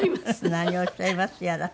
何をおっしゃいますやら。